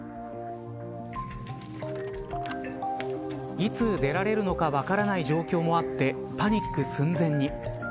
いつ出られるのか分からない状況もあってパニック寸前に。